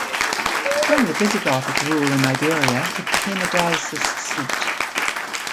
During the Visigothic rule in Iberia, it became a diocese seat.